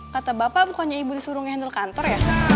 kata bapak pokoknya ibu disuruh ngandalk kantor ya